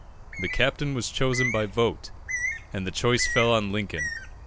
The captain was chosen by vote, and the choice fell on Lincoln.